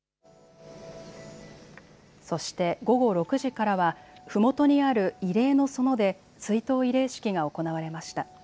そして午後６時からはふもとにある慰霊の園で追悼慰霊式が行われました。